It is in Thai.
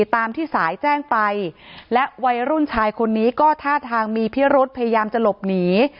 ตามที่สายแจ้งไปและวัยรุ่นชายคนนี้ก็ท่าทางมีพิรุธพยายามจะหลบหนี